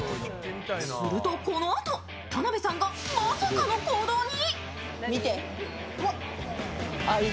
するとこのあと、田辺さんがまさかの行動に。